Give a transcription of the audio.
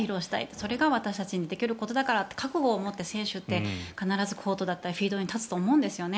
それが私たちができることだから覚悟を持って選手って必ずコートだったりフィールドに立つと思うんです。